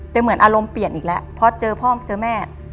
แต่เหมือนอารมณ์เปลี่ยนอีกแล้วเพราะเจอพ่อเจอแม่